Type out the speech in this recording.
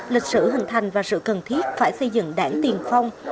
lịch sử hình thành và sự cần thiết phải xây dựng đảng tiền phong